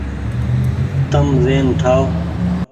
تم زهين ٺآئو ۔